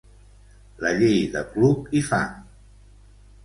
La llei de Club i Fang